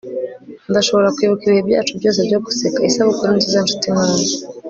ndashobora kwibuka ibihe byacu byose byo guseka. isabukuru nziza, nshuti nkunda